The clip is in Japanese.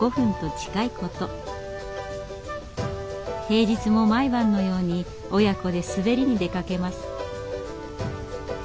平日も毎晩のように親子で滑りに出かけます。